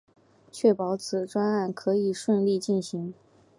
确保此专案可以顺利进行